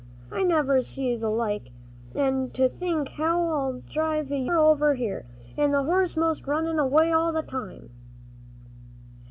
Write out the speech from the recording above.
I never see th' like. An' to think how I driv' you clear over here, an' that horse most runnin' away all the time."